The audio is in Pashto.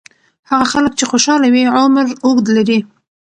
هغه خلک چې خوشاله وي، عمر اوږد لري.